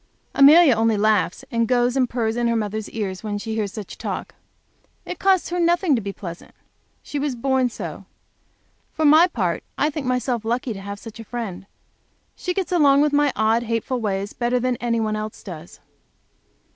Amelia only laughs, and goes and purrs in her mother's ears when she hears such talk. It costs her nothing to be pleasant. She was born so. For my part, I think myself lucky to have such a friend. She gets along with my odd, hateful ways better than any one else does.